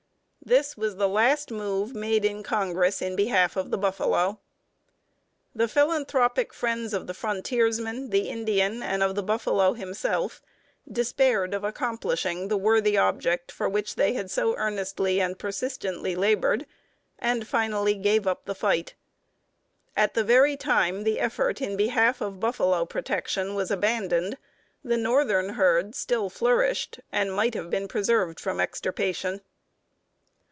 This was the last move made in Congress in behalf of the buffalo. The philanthropic friends of the frontiersman, the Indian, and of the buffalo himself, despaired of accomplishing the worthy object for which they had so earnestly and persistently labored, and finally gave up the fight. At the very time the effort in behalf of buffalo protection was abandoned the northern herd still flourished, and might have been preserved from extirpation.